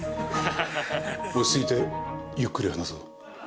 落ち着いてゆっくり話そう。